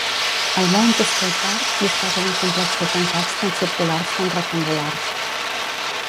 El Mounds State Park disposa d'un complex de tancats, tan circulars com rectangulars.